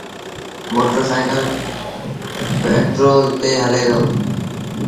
موٽر سآئيٚڪل پيٽرو تي هلي دو۔